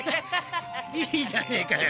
いいじゃねぇかよ。